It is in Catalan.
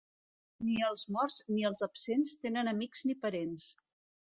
Ni els morts ni els absents tenen amics ni parents.